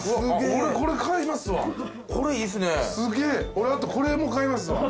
俺あとこれも買いますわ。